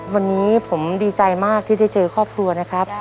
วันนี้ผมดีใจมากที่ได้เจอครอบครัวนะครับ